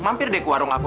mampir deh ke warung aku